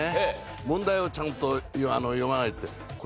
問題をちゃんと読まないって。